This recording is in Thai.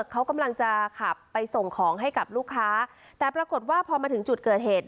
เขากำลังจะขับไปส่งของให้กับลูกค้าแต่ปรากฏว่าพอมาถึงจุดเกิดเหตุ